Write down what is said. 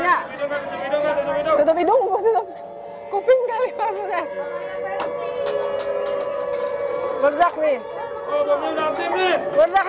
ayo clips untuk mirror valerie salah lagi suka